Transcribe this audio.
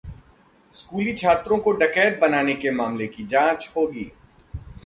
स्कूली छात्रों को डकैत बनाने के मामले की जांच होगी